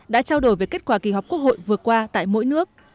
đã trao đổi về kết quả kỳ họp quốc hội vừa qua tại mỗi nước